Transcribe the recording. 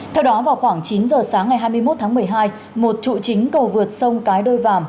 theo đó vào khoảng chín giờ sáng ngày hai mươi một tháng một mươi hai một trụ chính cầu vượt sông cái đôi vàm